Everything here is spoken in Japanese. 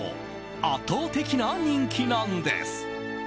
圧倒的な人気なんです。